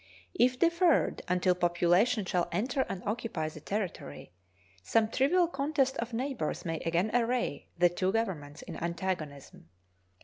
If deferred until population shall enter and occupy the territory, some trivial contest of neighbors may again array the two Governments in antagonism.